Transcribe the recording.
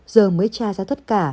giờ mới tra ra tất cả